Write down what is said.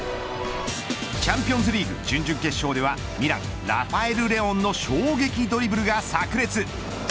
チャンピオンズリーグ準々決勝では、ミランラファエルレオンの衝撃ドリブルがさく裂。